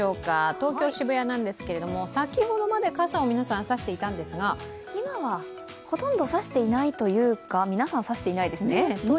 東京・渋谷なんですけど、先ほどまで傘を皆さん、指していたんですが今はほとんど差していないというか、皆さん差していないですね。